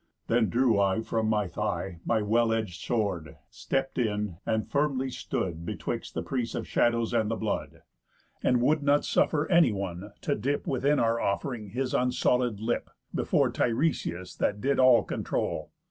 Then drew I from my thigh My well edg'd sword, stept in, and firmly stood Betwixt the prease of shadows and the blood, And would not suffer anyone to dip Within our off'ring his unsolid lip, Before Tiresias that did all controul.